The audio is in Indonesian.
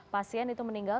pasien itu meninggal